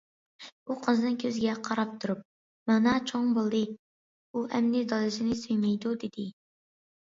ئۇ قىزىنىڭ كۆزىگە قاراپ تۇرۇپ:« مىنا چوڭ بولدى، ئۇ ئەمدى دادىسىنى سۆيمەيدۇ» دېدى.